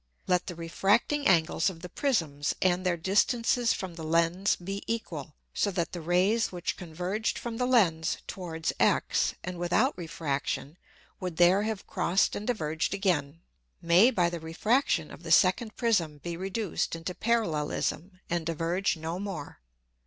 Let the refracting Angles of the Prisms, and their distances from the Lens be equal, so that the Rays which converged from the Lens towards X, and without Refraction, would there have crossed and diverged again, may by the Refraction of the second Prism be reduced into Parallelism and diverge no more.